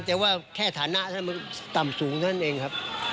แต่ว่าแค่ฐานะมันต่ำสูงเท่านั้นเองครับ